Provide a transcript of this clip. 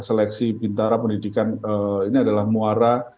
seleksi bintara pendidikan ini adalah muara